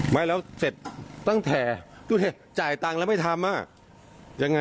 ไม่แล้วเสร็จตั้งแต่จ่ายตังค์แล้วไม่ทำอ่ะยังไง